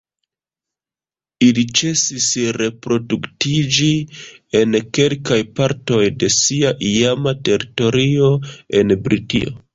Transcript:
Ili ĉesis reproduktiĝi en kelkaj partoj de sia iama teritorio en Britio.